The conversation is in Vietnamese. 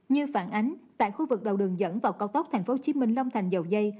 như phản ánh tại khu vực đầu đường dẫn vào cao tốc tp hcm long thành dầu dây